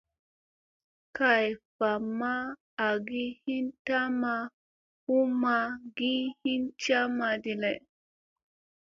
Kay va ma agi hin tamma u ma gi hin camma ɗi lay.